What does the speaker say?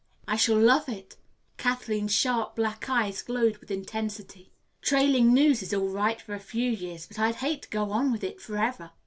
"I shall love it." Kathleen's sharp black eyes glowed with intensity. "Trailing news is all right for a few years, but I'd hate to go on with it forever.